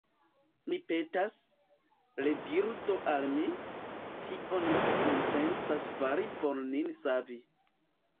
Mi petas, rediru do al mi, kion vi intencas fari por nin savi.